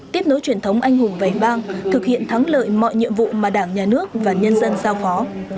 tiếp nối truyền thống anh hùng vây bang thực hiện thắng lợi mọi nhiệm vụ mà đảng nhà nước và nhân dân giao phó